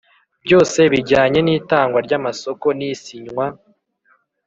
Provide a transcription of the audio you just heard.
Byose bijyanye n itangwa ry amasoko n isinywa